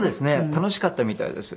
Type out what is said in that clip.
楽しかったみたいです。